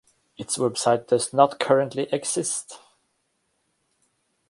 Its website does not currently exist.